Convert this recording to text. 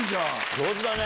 上手だね。